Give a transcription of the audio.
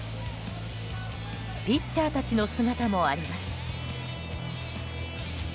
ピッチャーたちの姿もあります。